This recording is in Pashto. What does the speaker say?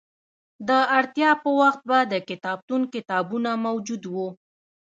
د اړتیا په وخت به د کتابتون کتابونه موجود وو.